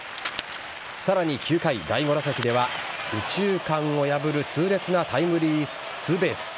さらに９回、第５打席では右中間を破る痛烈なタイムリーツーベース。